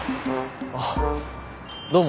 あっどうも。